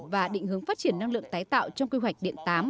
và định hướng phát triển năng lượng tái tạo trong quy hoạch điện tám